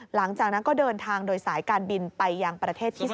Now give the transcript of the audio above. หลังจากนั้นก็เดินทางโดยสายการบินไปยังประเทศที่๓